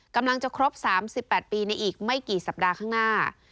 กำลังจะครบ๓๘ปีในอีกไม่กี่สัปดาห์ข้างหน้า